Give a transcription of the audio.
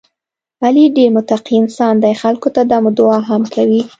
علي ډېر متقی انسان دی، خلکو ته دم دعا هم کوي.